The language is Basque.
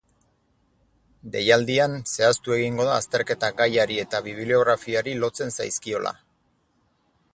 Deialdian, zehaztu egingo da azterketak gaiari eta bibliografiari lotzen zaizkiola.